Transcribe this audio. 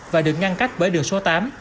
và được ngăn cách bởi đường số tám